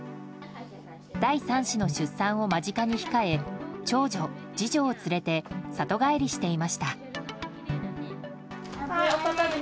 第３子の出産を間近に控え長女、次女を連れて里帰りしていました。